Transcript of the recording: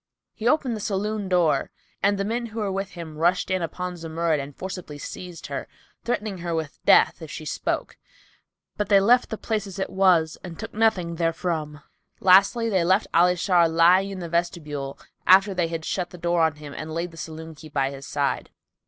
He opened the saloon door and the men who were with him rushed in upon Zumurrud and forcibly seized her, threatening her with death, if she spoke, but they left the place as it was and took nothing therefrom. Lastly they left Ali Shar lying in the vestibule after they had shut the door on him and laid the saloon key by his side.